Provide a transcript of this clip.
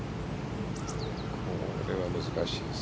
これは難しいです。